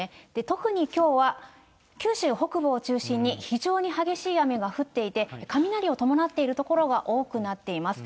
特にきょうは九州北部を中心に非常に激しい雨が降っていて、雷を伴っている所が多くなっています。